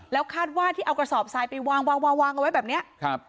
แล้วคาดว่าที่เอากระสอบทรายไปวางวางวางเอาไว้แบบเนี้ยครับ